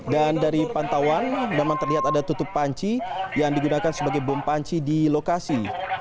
dan dari pantauan memang terlihat ada tutup panci yang digunakan sebagai bom panci di lokasi